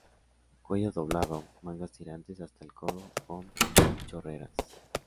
Cuello doblado mangas tirantes hasta el codo, con chorreras.